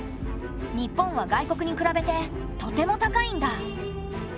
日本は外国に比べてとても高いんだ。